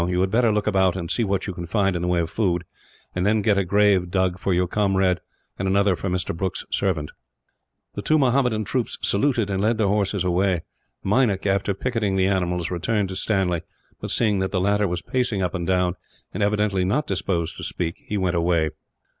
"You had better look about, and see what you can find in the way of food; and then get a grave dug for your comrade, and another for Mr. Brooke's servant." The two Mahommedan troopers saluted, and led their horses away. Meinik, after picketing the animals, returned to Stanley but, seeing that the latter was pacing up and down, and evidently not disposed to speak, he went away.